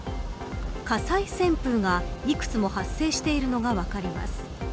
火災旋風が幾つも発生しているのが分かります。